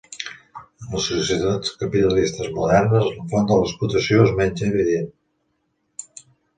En les societats capitalistes modernes, la font de l'explotació és menys evident.